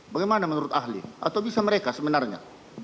bagaimana menurut ahli atau bisa mereka sebenarnya